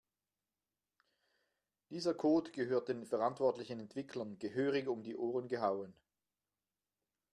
Dieser Code gehört den verantwortlichen Entwicklern gehörig um die Ohren gehauen.